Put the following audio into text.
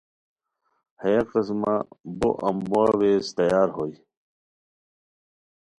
ہیہ قسمہ بو امبوہ ویز تیار ہوئے